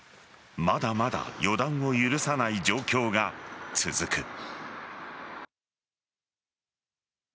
まだまだ予断を許さない状況が続く。